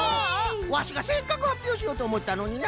ワシがせっかくはっぴょうしようとおもったのにな。